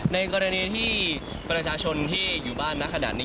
ในกรณีที่ประชาชนที่อยู่บ้านนักขนาดนี้